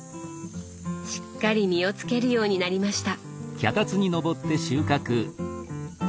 しっかり実をつけるようになりました。